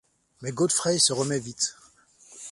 Mais Godfrey se remit vite.